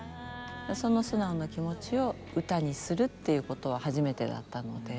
その素直な気持ちを歌にするっていうことは初めてだったので。